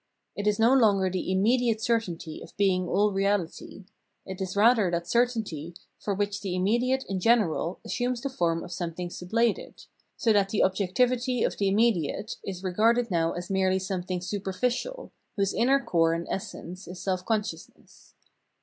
It is no longer the immediate certainty of being all reality ; it is rather that certainty for which the immediate in general assumes the form of something sublated, so that the objectivity of the imme diate is regarded now as merely something superficial, whose inner core and essence is self consciousness.